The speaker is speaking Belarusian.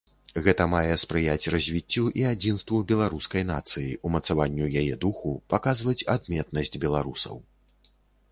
Гэта мае спрыяць развіццю і адзінству беларускай нацыі, умацаванню яе духу, паказваць адметнасць беларусаў.